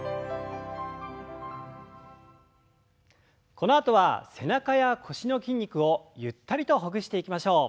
このあとは背中や腰の筋肉をゆったりとほぐしていきましょう。